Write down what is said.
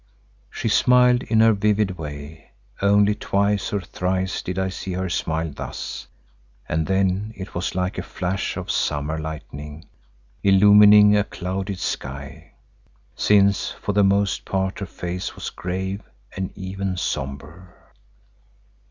She smiled in her vivid way—only twice or thrice did I see her smile thus and then it was like a flash of summer lightning illumining a clouded sky, since for the most part her face was grave and even sombre.